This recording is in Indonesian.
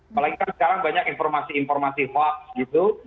apalagi kan sekarang banyak informasi informasi hoax gitu